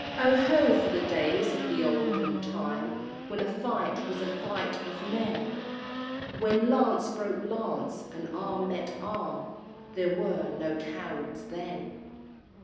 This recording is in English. _Oho! for the days of the olden time, When a fight was a fight of men! When lance broke lance and arm met arm— There were no cowards then!